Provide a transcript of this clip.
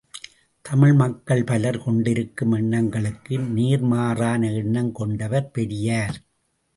தமிழ் மக்கள் பலர் கொண்டிருக்கும் எண்ணங்களுக்கு நேர் மாறான எண்ணம் கொண்டவர் பெரியார்.